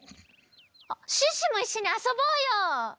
あっシュッシュもいっしょにあそぼうよ！